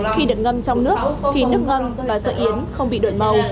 khi được ngâm trong nước khi nước ngâm và sợi yến không bị đổi màu